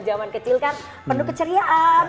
zaman kecil kan penuh keceriaan